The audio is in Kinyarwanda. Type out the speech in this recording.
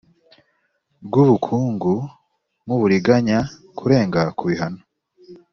rw ubukungu nk uburiganya kurenga ku bihano